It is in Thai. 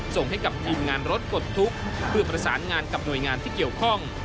ส่งให้กับทีมงานรถปลดทุกข์เพื่อประสานงานกับหน่วยงานที่เกี่ยวข้อง